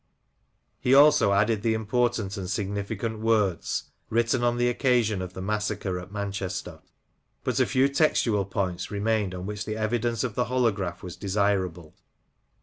He also added the important and significant words, " written on the occasion of the massacre at Manchester." But a few textual points remained on which the evidence of the holograph was desirable.